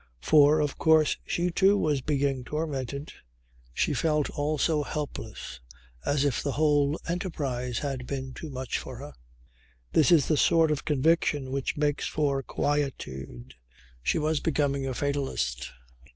For, of course, she too was being tormented. She felt also helpless, as if the whole enterprise had been too much for her. This is the sort of conviction which makes for quietude. She was becoming a fatalist.